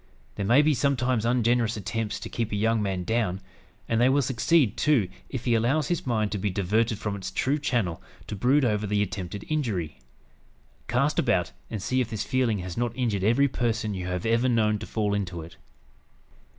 There may be sometimes ungenerous attempts to keep a young man down; and they will succeed, too, if he allows his mind to be diverted from its true channel to brood over the attempted injury. Cast about, and see if this feeling has not injured every person you have ever known to fall into it.